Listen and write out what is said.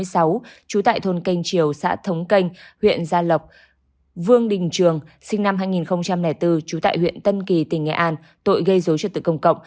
trú tại thôn canh chiều xã thống canh huyện gia lộc vương đình trường sinh năm hai nghìn bốn trú tại huyện tân kỳ tỉnh nghệ an tội gây dối trật tự công cộng